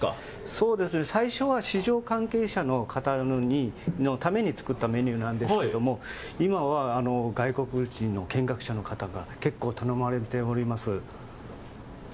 そうですね、最初は市場関係者の方のために作ったメニューなんですけども、今は外国人の見学者の方が結構頼まれております。